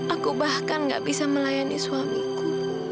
aku bahkan gak bisa melayani suamiku